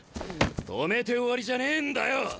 止めて終わりじゃねえんだよ。